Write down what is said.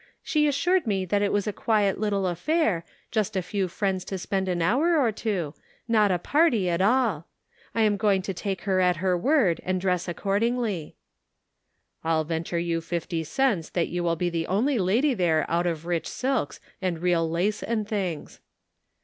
She as sured me it was a quiet little affair, just a few friends to spend an hour or two, not a party at all. I am going to take her at her word and dress according^." " I'll venture you fifty cents that you will be the only lady there out of rich silks and real lace and things."